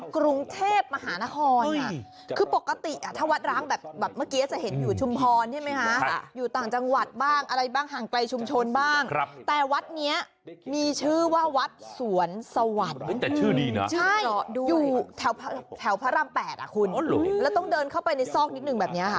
เข้าไปในซอกนิดนึงแบบนี้ค่ะ